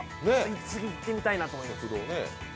次行ってみたいなと思います。